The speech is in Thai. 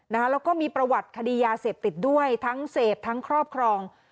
แล้วก็มีประวัติคดียาเสพติดด้วยทั้งเสพทั้งครอบครอง